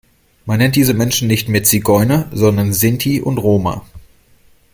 Man nennt diese Menschen nicht mehr Zigeuner, sondern Sinti und Roma.